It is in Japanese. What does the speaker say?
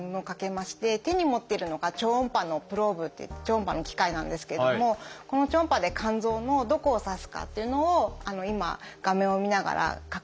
手に持っているのが超音波のプローブっていって超音波の機械なんですけどもこの超音波で肝臓のどこを刺すかっていうのを今画面を見ながら確認しています。